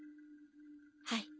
はい。